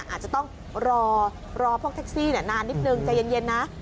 อาจจะต้องรอพวกแท็กซี่นานนิดนึงใจเย็นนะ